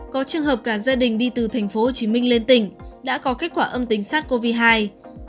có trường hợp cả gia đình đi từ tp hcm lên tỉnh đã có kết quả âm tính sars cov hai